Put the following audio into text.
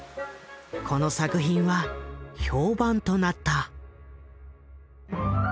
この作品は評判となった。